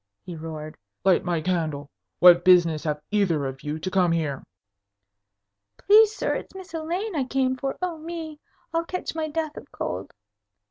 he roared. "Light my candle! What business have either of you to come here?" "Please, sir, it's Miss Elaine I came for. Oh, me! I'll catch my death of cold.